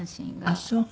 あっそう。